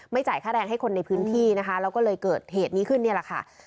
จ่ายค่าแรงให้คนในพื้นที่นะคะแล้วก็เลยเกิดเหตุนี้ขึ้นนี่แหละค่ะ